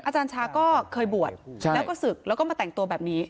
อาจารย์ชาก็เคยบวชแล้วก็ศึกแล้วก็มาแต่งตัวแบบนี้